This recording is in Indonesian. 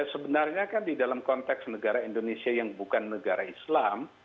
sebenarnya kan di dalam konteks negara indonesia yang bukan negara islam